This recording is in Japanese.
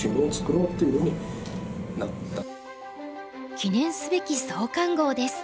記念すべき創刊号です。